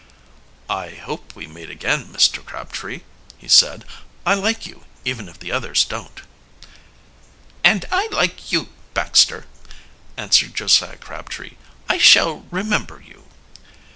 "I hope we meet again, Mr. Crabtree," he said. "I like you, even if the others don't." "And I like you, Baxter," answered Josiah Crabtree. "I shall remember you."